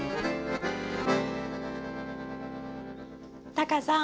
タカさん